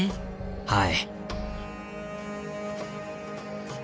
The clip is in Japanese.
はい。